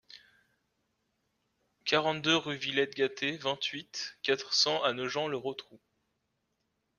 quarante-deux rue Villette Gâté, vingt-huit, quatre cents à Nogent-le-Rotrou